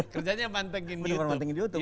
kerjanya mantengin youtube